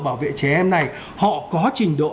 bảo vệ trẻ em này họ có trình độ